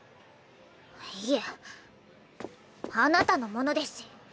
いえあなたのものですし。